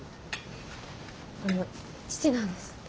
あの父なんです。